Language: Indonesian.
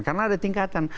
karena ada tingkatan